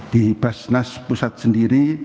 di basnas pusat sendiri